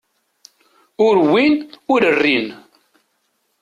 Ur wwin ur rrin.